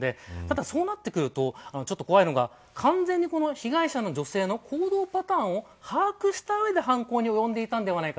そうなってくると怖いのが完全に被害者の女性の行動パターンを把握した上で犯行におよんでいたのではないか。